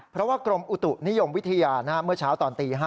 เพราะว่ากรมอุตุนิยมวิทยาเมื่อเช้าตอนตี๕